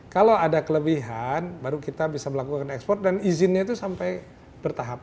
kalau ada kelebihan baru kita bisa melakukan ekspor dan izinnya itu sampai bertahap